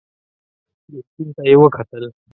ګرګين ته يې وکتل.